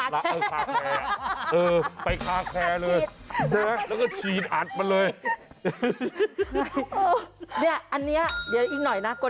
ไม้ขัดถุงครัก